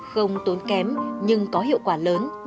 không tốn kém nhưng có hiệu quả lớn